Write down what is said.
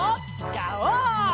ガオー！